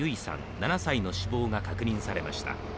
７歳の死亡が確認されました